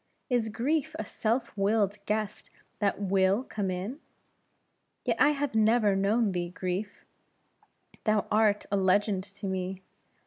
Is grief a self willed guest that will come in? Yet I have never known thee, Grief; thou art a legend to me.